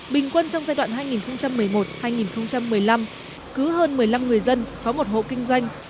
bình quân trong giai đoạn hai nghìn một mươi một hai nghìn một mươi năm cứ hơn một mươi năm người dân có một hộ kinh doanh